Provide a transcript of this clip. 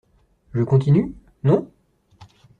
Je continue? Non ?